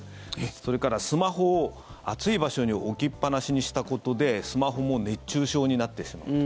それからスマホを暑い場所に置きっぱなしにしたことでスマホも熱中症になってしまう。